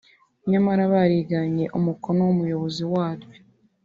nyamara bariganye umukono w’umuyobozi waryo